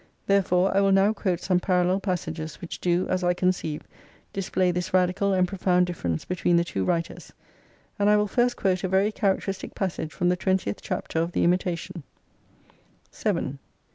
Therefore I will now quote some parallel passages which do, as I conceive, display this radical and profound difference between the two writers ; and I will first quote a very characteristic passage from the twentieth chapter of the " Imitation ":*" 7.